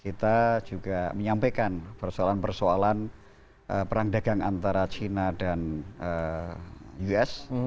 kita juga menyampaikan persoalan persoalan perang dagang antara china dan us